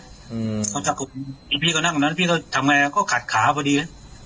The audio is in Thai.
อืมพี่เขานั่งนั้นพี่เขาทำไงก็ขัดขาพอดี